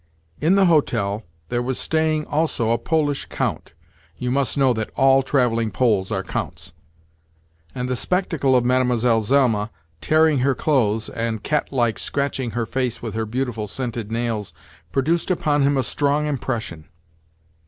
In the hotel there was staying also a Polish count (you must know that ALL travelling Poles are counts!), and the spectacle of Mlle. Zelma tearing her clothes and, catlike, scratching her face with her beautiful, scented nails produced upon him a strong impression.